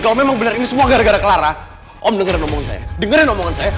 kalau memang benar ini semua gara gara clara om dengerin omong saya dengerin omongan saya